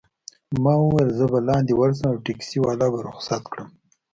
ما وویل: زه به لاندي ورشم او ټکسي والا به رخصت کړم.